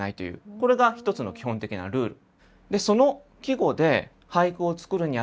これが一つの基本的なルール。